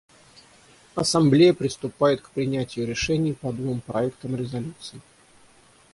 Ассамблея приступает к принятию решений по двум проектам резолюций.